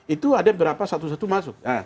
itu ada berapa satu satu masuk